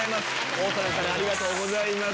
大阪からありがとうございます。